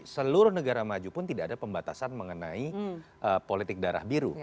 seluruh negara maju pun tidak ada pembatasan mengenai politik darah biru